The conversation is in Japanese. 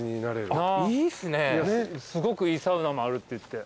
すごくいいサウナもあるっていって。